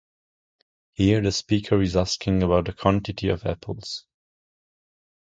Here, the speaker is asking about the quantity of apples.